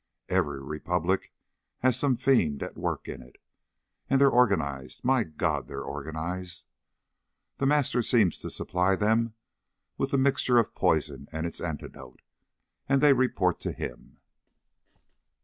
Every republic has some fiend at work in it. And they're organized. My God! They're organized! The Master seems to supply them with the mixture of poison and its antidote, and they report to him...."